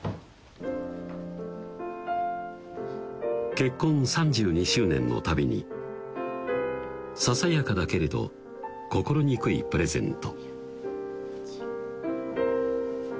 結婚３２周年の旅にささやかだけれど心憎いプレゼント